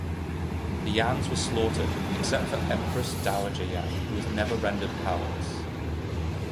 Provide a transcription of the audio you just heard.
The Yans were slaughtered, except for Empress Dowager Yan, who was however rendered powerless.